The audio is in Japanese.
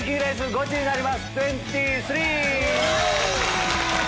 ゴチになります！